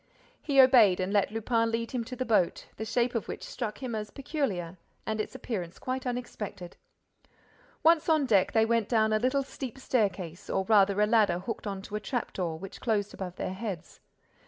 He obeyed and let Lupin lead him to the boat, the shape of which struck him as peculiar and its appearance quite unexpected. Once on deck, they went down a little steep staircase, or rather a ladder hooked on to a trap door, which closed above their heads.